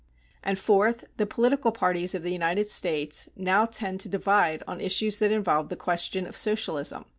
And fourth, the political parties of the United States, now tend to divide on issues that involve the question of Socialism.